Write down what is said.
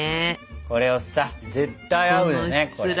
これをさ絶対合うよねこれ。